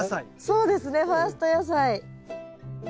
そうですねファースト野菜。